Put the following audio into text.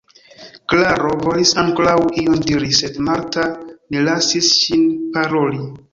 Klaro volis ankoraŭ ion diri, sed Marta ne lasis ŝin paroli.